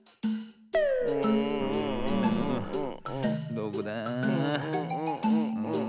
どこだ。